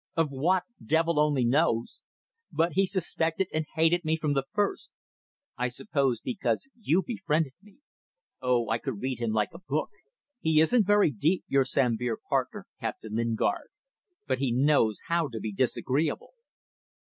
Of what? Devil only knows. But he suspected and hated me from the first; I suppose because you befriended me. Oh! I could read him like a book. He isn't very deep, your Sambir partner, Captain Lingard, but he knows how to be disagreeable.